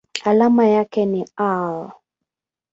Alama yake ni Al.